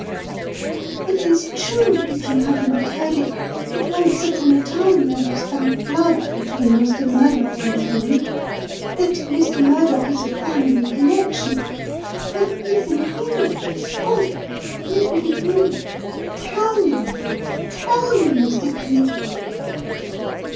It is true, if you have not heard it, that once upon a time there was bad blood between Mr. Murdock and him that Mr. Murdock is a family connection; but even he, oh, even he Tell me tell me, Mr. Cleek!"